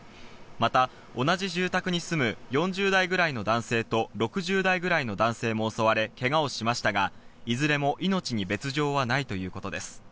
また同じ住宅に住む４０代くらいの男性と、６０代くらいの男性も襲われけがをしましたが、いずれも命に別条はないということです。